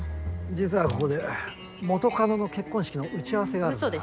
実はここで元カノの結婚式の打ち合わせがあるんだ。